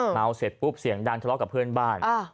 เมาเสร็จปุ๊บเสียงดังทะเลาะกับเพื่อนบ้าน